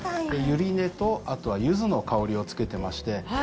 ユリネとあとはユズの香りを付けてまして。